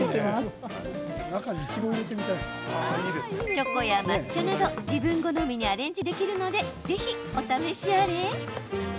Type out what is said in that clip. チョコや抹茶など自分好みにアレンジできるのでぜひお試しあれ。